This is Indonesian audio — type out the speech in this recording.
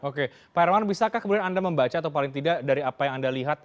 oke pak herman bisakah kemudian anda membaca atau paling tidak dari apa yang anda lihat